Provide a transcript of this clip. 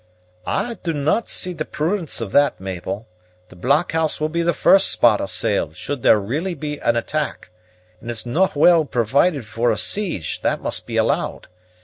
"I do not see the prudence of that, Mabel. The blockhouse will be the first spot assailed should there really be an attack; and it's no' well provided for a siege, that must be allowed.